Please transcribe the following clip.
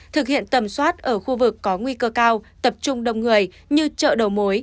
thực hiện tầm soát ở khu vực có nguy cơ cao tập trung đông người như chợ đầu mối